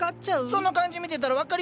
その感じ見てたら分かりますよ！